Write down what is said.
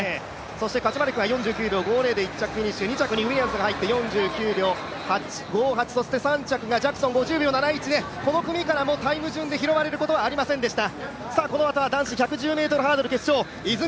カチュマレクは４９秒５０で１着フィニッシュ２着にウィリアムズが入って４９秒５８そして３着がジャクソン、５０秒３８でこの組からもタイム順で拾われることはありませんでした。